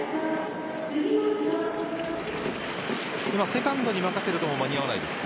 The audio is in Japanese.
今、セカンドに任せても間に合わないですか？